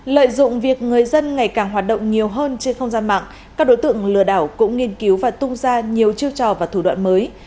lợi dụng việc người dân ngày càng hoạt động nhiều hơn trên không gian mạng các đối tượng lừa đảo cũng nghiên cứu và tung ra nhiều chiêu trò và thủ đoạn mới